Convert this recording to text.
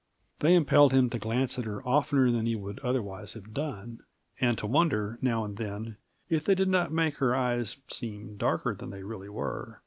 They impelled him to glance at her oftener than he would otherwise have done, and to wonder, now and then, if they did not make her eyes seem darker than they really were.